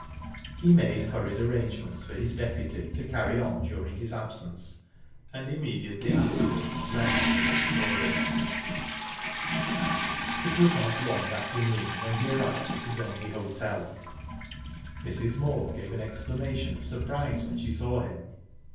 He made hurried arrangements with his deputy to carry on during his absence, and immediately afterwards left for Victoria. It was not long after noon when he arrived at the Gondy Hotel. Mrs. Moor gave an exclamation of surprise when she saw him.